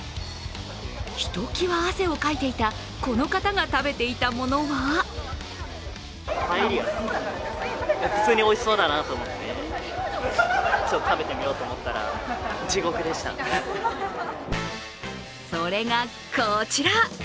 ひときわ汗をかいていたこの方が食べていたものはそれがこちら！